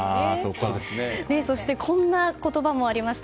そしてこんな言葉もありました。